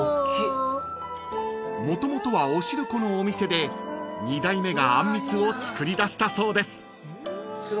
［もともとはお汁粉のお店で２代目があんみつを作りだしたそうです］